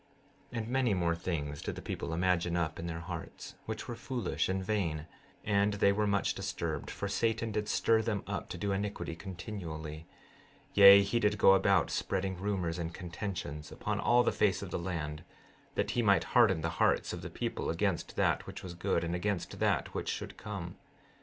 16:22 And many more things did the people imagine up in their hearts, which were foolish and vain; and they were much disturbed, for Satan did stir them up to do iniquity continually; yea, he did go about spreading rumors and contentions upon all the face of the land, that he might harden the hearts of the people against that which was good and against that which should come.